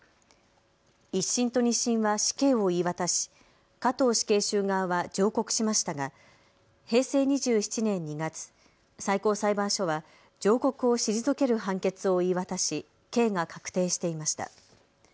１審と２審は死刑を言い渡し加藤死刑囚側は上告しましたが平成２７年２月、最高裁判所は上告を退ける判決を言い渡し刑が確定していました。